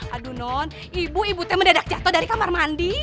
aduh non ibu ibu teh mendedak jatoh dari kamar mandi